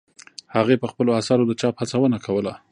هغې په خپلو اثارو د چاپ هڅه کوله.